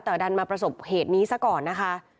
แต่ดันมาประสบเหตุนี้ซะก่อนนะคะ